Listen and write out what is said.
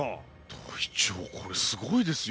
隊長これすごいですよ。